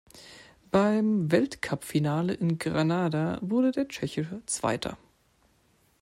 Beim Weltcupfinale in Granada wurde der Tscheche Zweiter.